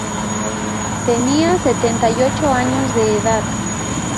Tenía setenta y ocho años de edad.